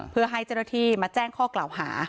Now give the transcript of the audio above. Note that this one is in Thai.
เพื่อให้เจ้าหน้าที่มาแจ้งข้อกล่าวหา